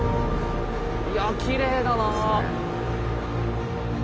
いやきれいだな。